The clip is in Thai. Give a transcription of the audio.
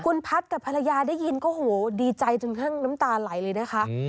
คุณพัฒน์กับภรรยาได้ยินโอ้โหดีใจจนทั้งน้ำตาไหลเลยนะคะ